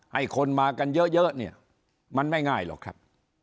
ให้คนมากันเยอะเนี่ยมันไม่ง่ายหรอกครับ